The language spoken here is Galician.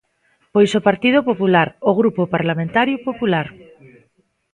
Pois o Partido Popular, o Grupo Parlamentario Popular.